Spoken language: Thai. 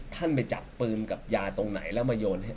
ท่านไปจับปืนกับยาตรงไหนแล้วมาโยน